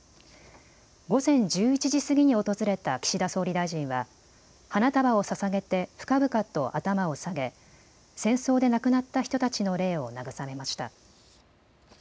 午前１１時過ぎに訪れた岸田総理大臣は花束をささげて深々と頭を下げ戦争で亡くなった人たちの霊を慰めました。